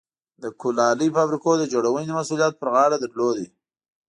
د کولالۍ فابریکو د جوړونې مسوولیت پر غاړه درلود.